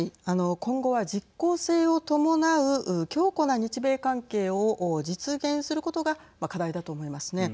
今後は実効性を伴う強固な日米関係を実現することが課題だと思いますね。